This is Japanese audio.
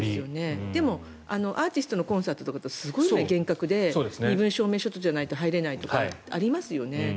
でもアーティストのコンサートとか今、すごい厳格で身分証明書がないと入れないとかありますよね。